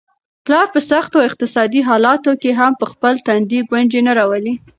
پلار په سختو اقتصادي حالاتو کي هم په خپل تندي ګونجې نه راولي.